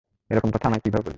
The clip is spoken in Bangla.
এরকম কথা আমায় কিভাবে বললে?